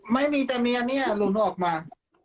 ไม่มีแต่เนี้ยนี่อ่ะหลุงจนออกมา